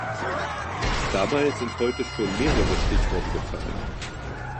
Dabei sind heute schon mehrere Stichworte gefallen.